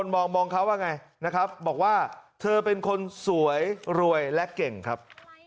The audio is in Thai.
บอกว่าเธอเป็นคนสวยรวยและเก่งครับ